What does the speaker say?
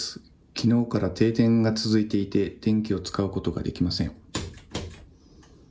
きのうから停電が続いていて電気を使うことができません。